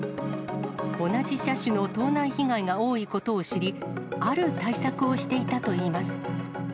同じ車種の盗難被害が多いことを知り、ある対策をしていたといいます。